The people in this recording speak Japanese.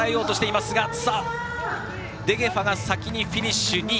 デゲファがフィニッシュ、２位。